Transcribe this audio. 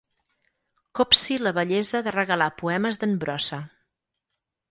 Copsi la bellesa de regalar poemes d'en Brossa.